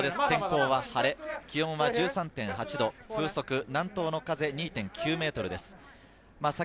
天候は晴れ、気温は１３．８度、風速は南東の風２．９メートルです。